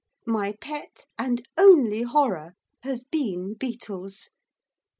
My pet and only horror has been beetles.